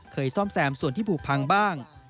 ซ่อมแซมส่วนที่ผูกพังบ้าง